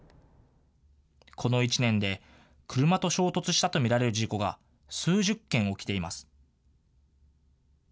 この１年で、車と衝突したと見られる事故が、数十件起きています。